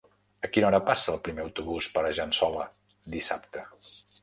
A quina hora passa el primer autobús per Argençola dissabte?